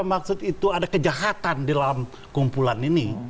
maksud itu ada kejahatan di dalam kumpulan ini